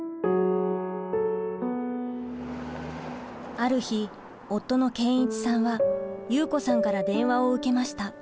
ある日夫の健一さんは祐子さんから電話を受けました。